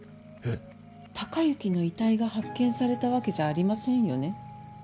貴之の遺体が発見されたわけじゃありませんよね？